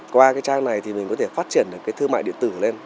qua cái trang này thì mình có thể phát triển được cái thương mại điện tử lên